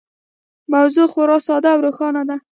موضوع خورا ساده او روښانه ده.